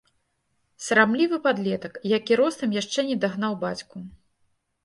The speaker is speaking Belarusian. Сарамлівы падлетак, які ростам яшчэ не дагнаў бацьку.